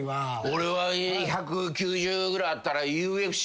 俺は１９０ぐらいあったら。